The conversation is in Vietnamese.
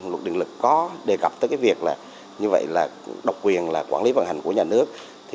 luật định lực có đề cập tới việc độc quyền là quản lý vận hành của nhà nước